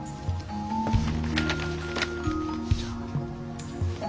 じゃあ。